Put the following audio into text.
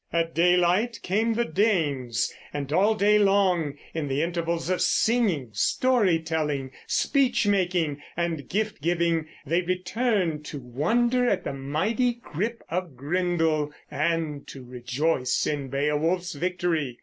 At daylight came the Danes; and all day long, in the intervals of singing, story telling, speech making, and gift giving, they return to wonder at the mighty "grip of Grendel" and to rejoice in Beowulf's victory.